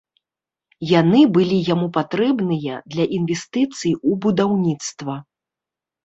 Яны былі яму патрэбныя для інвестыцый у будаўніцтва.